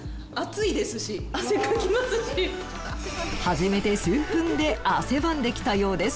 始めて数分で汗ばんできたようです。